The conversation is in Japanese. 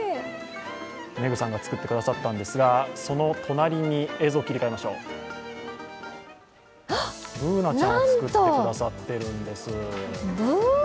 めぐさんが作ってくださったんですが、その隣にＢｏｏｎａちゃんを作ってくださっているんです。